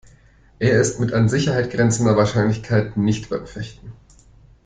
Er ist mit an Sicherheit grenzender Wahrscheinlichkeit nicht beim Fechten.